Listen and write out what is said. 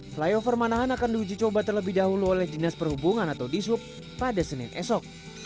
flyover manahan akan diuji coba terlebih dahulu oleh dinas perhubungan atau disub pada senin esok